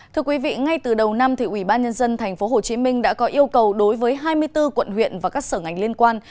thưa quý vị ngay từ đầu năm ủy ban nhân dân tp hcm đã có yêu cầu đối với hai mươi bốn quận huyện và các sở ngành liên quan